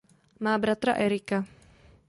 Má bratra Erika.